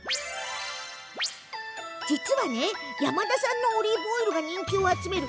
実は山田さんのオリーブオイルが人気を集める